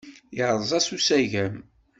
Irreẓ-as usagem.